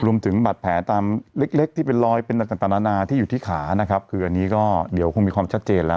รวมถึงบัตรแผลตามเล็กเล็กที่เป็นรอยเป็นอะไรต่างนานาที่อยู่ที่ขานะครับคืออันนี้ก็เดี๋ยวคงมีความชัดเจนแล้ว